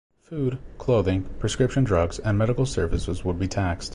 Food, clothing, prescription drugs and medical services would be taxed.